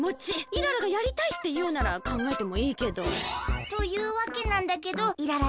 イララがやりたいっていうならかんがえてもいいけど。というわけなんだけどイララ